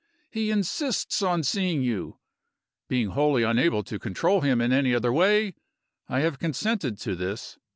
He insists on seeing you. Being wholly unable to control him in any other way, I have consented to this.